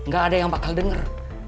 gak ada yang bakal denger